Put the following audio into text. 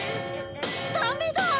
ダメだ。